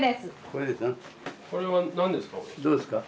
これは何ですか？